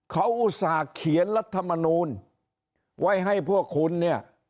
เขาอุตส่าห์เขียนรัฐมนูลไว้ให้พวกคุณเนี่ย